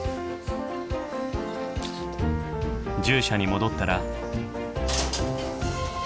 獣舎に戻ったら。